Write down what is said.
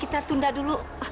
kita tunda dulu